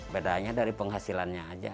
bedanya dari penghasilannya aja